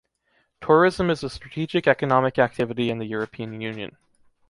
Tourism is a strategic economic activity in the European Union.